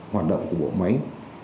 hoạt động của bộ máy